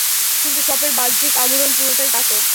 কিন্তু শপের বাহ্যিক আবরণ পুরোটাই কাঁচের!